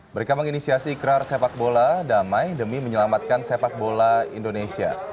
mereka menginisiasi ikrar sepak bola damai demi menyelamatkan sepak bola indonesia